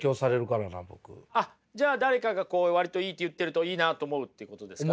あっじゃあ誰かがこう割といいと言ってるといいなと思うってことですかね。